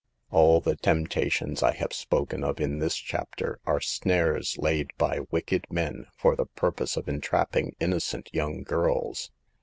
All the temptations I have spoken of in this chapter are snares laid by wicked men for the purpose of entrapping innocent young girls.